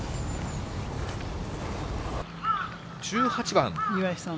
１８番。